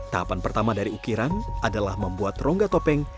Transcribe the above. tahapan pertama dari ukiran adalah membuat rongga topeng